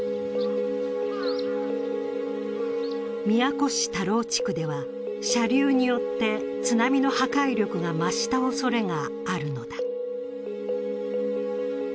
宮古市田老地区では、射流によって、津波の破壊力が増したおそれがあるのだ。